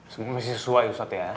sebenarnya masih sesuai ustadz ya